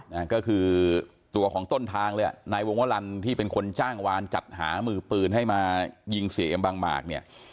นะฮะก็คือตัวของต้นทางเลยอ่ะนายวงวลันที่เป็นคนจ้างวานจัดหามือปืนให้มายิงเสียเอ็มบางหมากเนี่ย